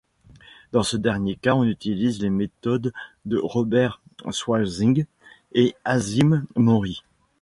Dans ce dernier cas on utilise les méthodes de Robert Zwanzig et Hazime Mori.